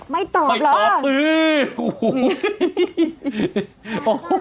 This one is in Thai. ไม่ตอบเหรอไม่ตอบอื้อโอ้โห